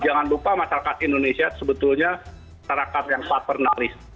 jangan lupa masyarakat indonesia sebetulnya masyarakat yang papernalis